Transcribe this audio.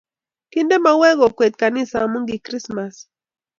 Kinde mauwek kokwet kanisa amu ki krismas